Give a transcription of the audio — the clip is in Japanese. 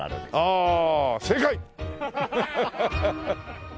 ああ正解！